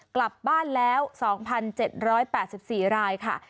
กลับบ้านแล้ว๒๗๘๔รายค่ะ